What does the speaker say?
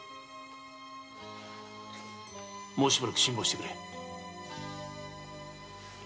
もうしばらく辛抱してくれ。